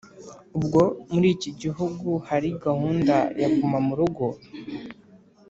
ubwo muri iki gihugu hari gahunda ya guma mu rugo